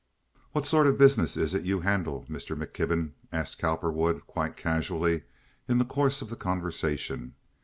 "What sort of business is it you handle, Mr. McKibben?" asked Cowperwood, quite casually, in the course of the conversation.